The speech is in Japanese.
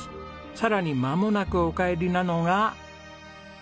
さらにまもなくお帰りなのが。